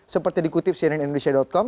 seperti dikutip cnn indonesia com